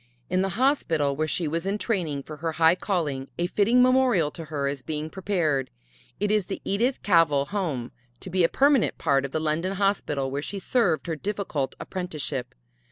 In the hospital where she was in training for her high calling a fitting memorial to her is being prepared it is the Edith Cavell Home to be a permanent part of the London Hospital where she served her difficult apprenticeship.